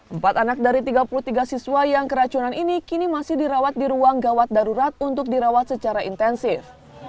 empat anak dari tiga puluh tiga siswa yang keracunan ini kini masih dirawat di ruang gawat darurat untuk dirawat secara intensif